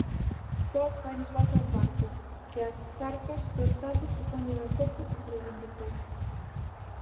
Só fainos falta un barco, que ás arcas do Estado suponlle ben pouco, reivindicou.